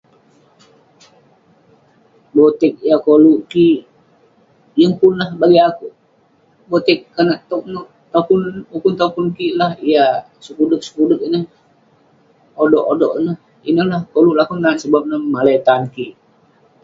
Botek yah koluk kik, yeng pun lah bagik akouk..botek konak towk nouk topun.. ukun topun kik lah..yah sekudut sekudut ineh, odok odok ineh..ineh lah koluk lah akouk nat sebab neh malai tan kik..